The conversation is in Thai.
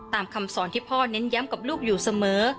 คำสอนที่พ่อเน้นย้ำกับลูกอยู่เสมอ